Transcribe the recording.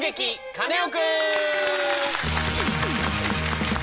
カネオくん」！